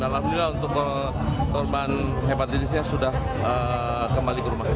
alhamdulillah untuk korban hepatitisnya sudah kembali ke rumah